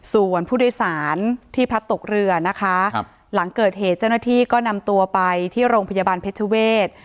ส่วนผู้โดยสารที่พลัดตกเรือนะคะหลังเกิดเหตุเจ้าหน้าที่ก็นำตัวไปที่โรงพยาบาลเพชรเวศ